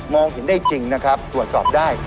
เห็นได้จริงนะครับตรวจสอบได้